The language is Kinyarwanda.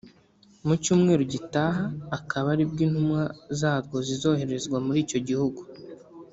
mu cyumweru gitaha akaba aribwo intumwa zarwo zizoherezwa muri icyo gihugu